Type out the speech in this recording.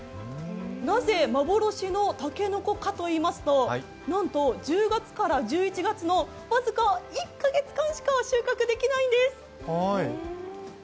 なぜ幻の竹の子かといいますと、なんと１０月から１１月の僅か１か月間しか収穫できないんです。